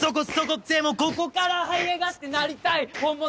でもここから這い上がってなりたい本物